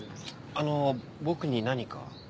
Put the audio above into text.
あの僕に何か？